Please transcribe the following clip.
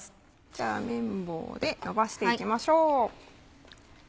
じゃあ麺棒でのばしていきましょう。